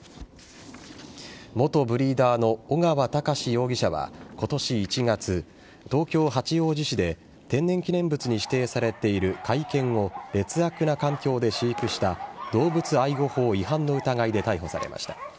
元ブリーダーの尾川隆容疑者は今年１月、東京・八王子市で天然記念物に指定されている甲斐犬を劣悪な環境で飼育した動物愛護法違反の疑いで逮捕されました。